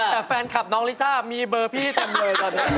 แต่แฟนคลับน้องลิซ่ามีเบอร์พี่เต็มเลยตอนนี้